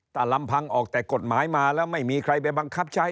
ถ้าลำพังออกแต่กฎหมายมาแล้วไม่มีใครไปบังคับใช้